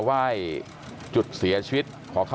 แต่ว่าวินนิสัยดุเสียงดังอะไรเป็นเรื่องปกติอยู่แล้วครับ